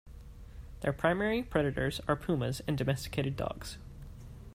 Their primary predators are pumas and domesticated dogs.